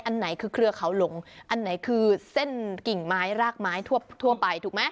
อันไหนคือเครือเขาหลงอันไหนคือเส้นกิ่งไม้รากไม้ทั่วไปถูกไหม